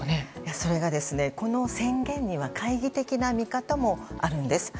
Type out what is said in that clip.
それが、この宣言には懐疑的な見方もあるんです。